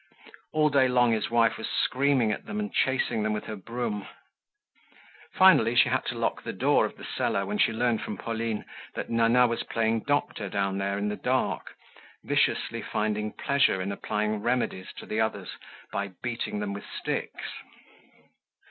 All day long his wife was screaming at them and chasing them with her broom. Finally she had to lock the door of the cellar when she learned from Pauline that Nana was playing doctor down there in the dark, viciously finding pleasure in applying remedies to the others by beating them with sticks.